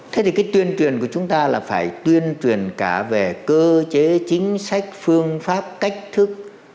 thế thì cái tuyên truyền của chúng ta là phải tuyên truyền cả về cơ chế chính sách phương pháp cách thức